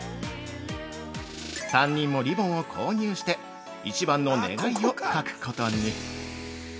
３人もリボンを購入して一番の願いを書くことに。